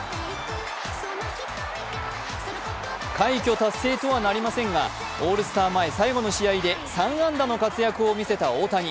快挙達成とはなりませんがオールスター前、最後の試合で３安打の活躍を見せた大谷。